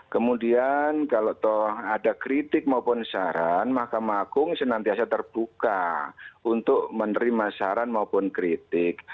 kemudian kalau ada kritik maupun saran mahkamah agung senantiasa terbuka untuk menerima saran maupun kritik